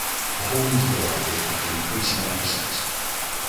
The holdings of the library have been increasing ever since.